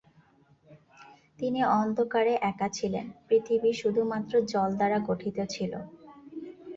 তিনি অন্ধকারে একা ছিলেন, পৃথিবী শুধুমাত্র জল দ্বারা গঠিত ছিল।